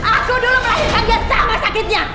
aku dulu melahirkan dia sama sakitnya